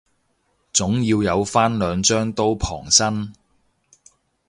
總要有返兩張刀傍身